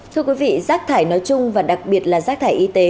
thưa quý vị rác thải nói chung và đặc biệt là rác thải y tế